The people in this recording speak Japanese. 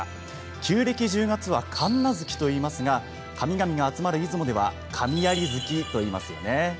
旧暦１０月は神無月と言いますが神々が集まる出雲では神在月と言いますよね。